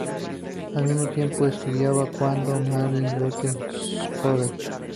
Al mismo tiempo estudiaba canto con Marie Gutheil-Schoder.